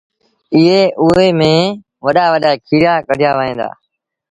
ائيٚݩ اُئي ميݩ وڏآ وڏآ ڪيٚريآ ڪڍيآ وهيݩ دآ